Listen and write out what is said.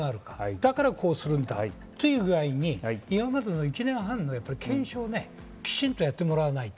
だからこうするんだという具合に今までの１年半の検証をしっかりやってもらわないと。